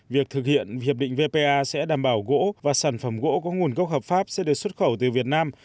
việc thực hiện hiệp định vpa sẽ đảm bảo gỗ và sản phẩm gỗ có nguồn gốc hợp pháp sẽ được xuất khẩu từ việt nam